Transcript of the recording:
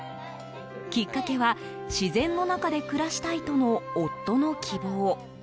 きっかけは、自然の中で暮らしたいとの夫の希望。